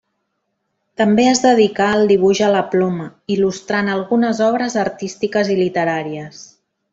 També es dedicà al dibuix a la ploma, il·lustrant algunes obres artístiques i literàries.